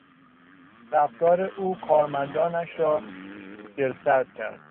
رفتار او کارمندانش را داسرد کرد.